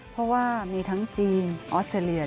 เพราะว่ามีทั้งจีนออสเตรเลีย